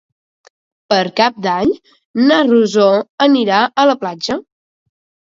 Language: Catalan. Per Cap d'Any na Rosó anirà a la platja.